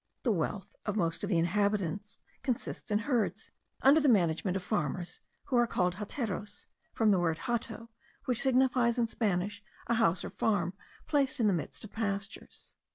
The wealth of most of the inhabitants consists in herds, under the management of farmers, who are called hateros, from the word hato, which signifies in Spanish a house or farm placed in the midst of pastures.